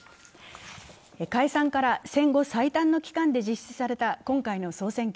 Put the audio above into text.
解散から戦後最短の期間で実施された今回の総選挙。